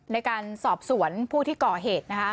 ในการสอบสวนผู้ที่ก่อเหตุนะคะ